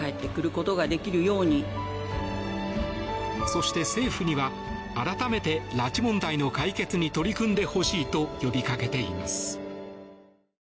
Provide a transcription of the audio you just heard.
そして、政府には改めて拉致問題の解決に取り組んでほしいと呼びかけています。